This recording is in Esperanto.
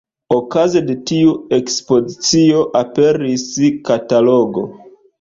Okaze de tiu ekspozicio aperis katalogo.